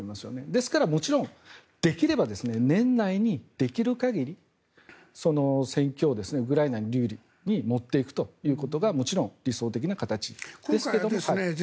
ですから、もちろんできれば年内にできる限り、戦況をウクライナ有利に持っていくことがもちろん、理想的な形。